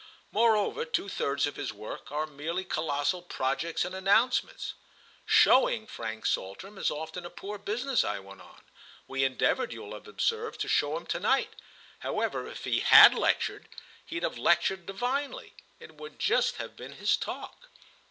Moreover two thirds of his work are merely colossal projects and announcements. 'Showing' Frank Saltram is often a poor business," I went on: "we endeavoured, you'll have observed, to show him to night! However, if he had lectured he'd have lectured divinely. It would just have been his talk."